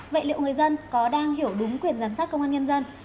vậy liệu người dân có đang hiểu đúng quyền giám sát công an nhân dân